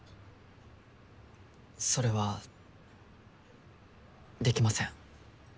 それはできません。